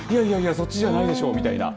そっちじゃないでしょみたいな。